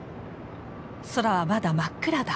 空はまだ真っ暗だ。